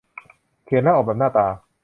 เขียนและออกแบบหน้าตา